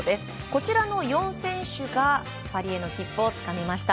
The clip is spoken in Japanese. こちらの４選手がパリへの切符をつかみました。